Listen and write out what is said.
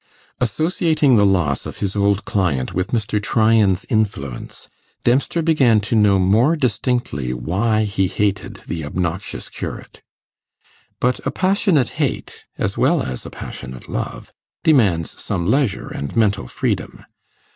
Associating the loss of his old client with Mr. Tryan's influence, Dempster began to know more distinctly why he hated the obnoxious curate. But a passionate hate, as well as a passionate love, demands some leisure and mental freedom.